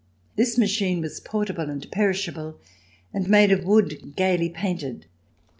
This machine was portable and perishable, and made of wood gaily painted.